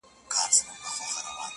خلک د ازادۍ مجسمې په اړه خبري کوي ډېر,